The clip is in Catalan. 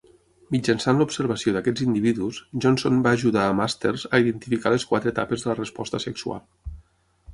Mitjançant l'observació d'aquests individus, Johnson va ajudar a Masters a identificar les quatre etapes de la resposta sexual.